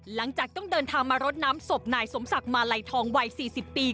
หลังจากต้องเดินทางมารดน้ำศพนายสมศักดิ์มาลัยทองวัย๔๐ปี